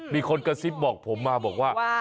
มีคนกระซิบบอกผมมาบอกว่า